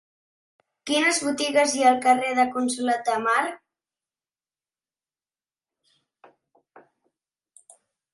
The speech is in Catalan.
Quines botigues hi ha al carrer del Consolat de Mar?